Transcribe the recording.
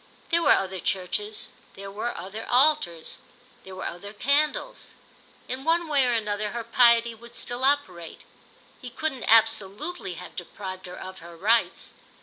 There were other churches, there were other altars, there were other candles; in one way or another her piety would still operate; he couldn't absolutely have deprived her of her rites.